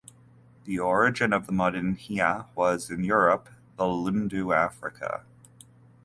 The origin of the modinha was in Europe, the lundu Africa.